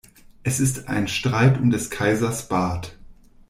Es ist ein Streit um des Kaisers Bart.